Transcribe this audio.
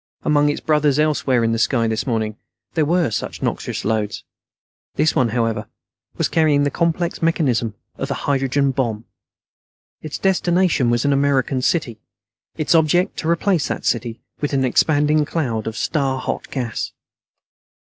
Among its brothers elsewhere in the sky this morning, there were such noxious loads. This one, however, was carrying the complex mechanism of a hydrogen bomb. Its destination was an American city; its object to replace that city with an expanding cloud of star hot gas.